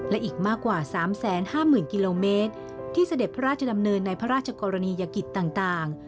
และอีกมากกว่า๓๕๐๐๐กิโลเมตรที่เสด็จพระราชดำเนินในพระราชกรณียกิจต่าง